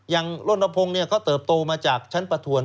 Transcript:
อย่างร่วมนับพงศ์เขาเติบโตมาจากชั้นประถวร